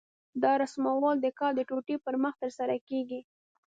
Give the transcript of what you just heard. دا رسمول د کار د ټوټې پر مخ ترسره کېږي.